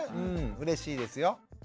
うれしいですよ。